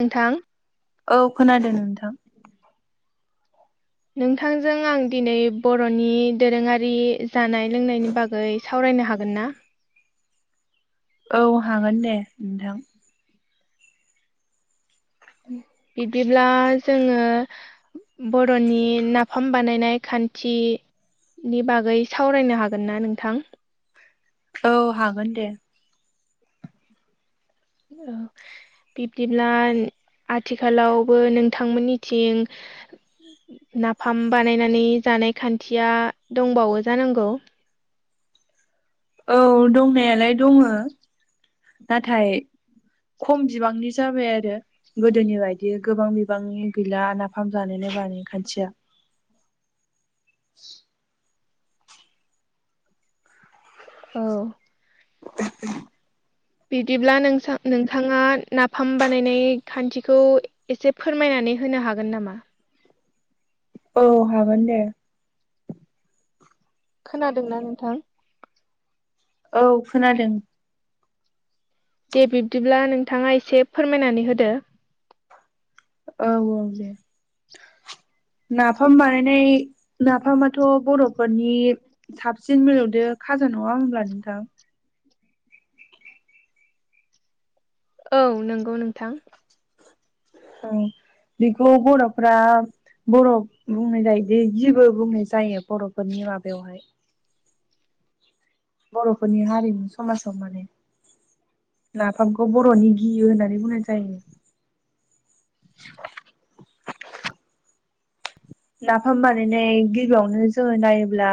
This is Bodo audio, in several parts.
नोंथां। औ खोनादों नोंथां। नोंथांजों आं दिनै बर'नि दोरोङारि जानाय लोंनायनि बागै सावरायनो हागोन ना? औ हागोन दे नोंथां। बिदिब्ला जोङो बर'नि नाफाम बानायनाय खान्थि नि बागै सावरायनो हागोन ना नोंथां? औ हागोन दे। औ बिब्दिब्ला आथिखालावबो नोंथांमोननिथिं नाफाम बानायनानै जानाय खान्थिया दंबावो जानांगौ? औ दंनायालाय दङो नाथाय खम बिबांनि जाबाय आरो। गोदोनि बायदि गोबां बिबांनि गैला नाफाम जानायनाय बानाय खान्थिया। औ [unintelligible] बिदिब्ला नोंसां नोंथाङा नाफाम बानायनाय खान्थिखौ एसे फोरमायनानै होनो हागोन नामा? औ हागोन दे। खोनादोंना नोंथां? औ खोनादों। दे बिब्दिब्ला नोंथाङा एसे फोरमायनानै होदो। औ औ दे। नाफाम बानायनाय नाफामाथ' बर'फोरनि साबसिन मिलौदो खाजा नङा होमब्ला नोंथां? औ नंगौ नोंथां। औ बेखौ बर'फ्रा बर'ब बुंनाय जायोदै गिबो बुंनाय जायो बर'फोरनि माबायावहाय। बर'फोरनि हारिमु समाजावहाय माने। नाफामखौ बर'नि गिहि होननानै बुंनाय जायो। नाफाम बानायनाय गिबियावनो जोङो नायोब्ला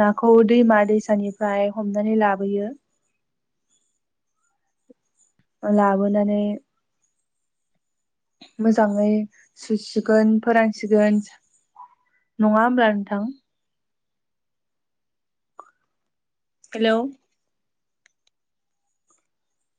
नाखौ दैमा दैसानिफ्राय हमनानै लाबोयो लाबोनानै मोजाङै सुसिगोन फोरानसिगोन नङा होमब्ला नोंथां? हेलौ